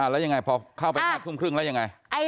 แล้วยังไงพอเข้าไป๕ทุ่มครึ่งแล้วยังไง